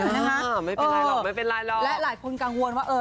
นะคะไม่เป็นไรหรอกไม่เป็นไรหรอกและหลายคนกังวลว่าเออ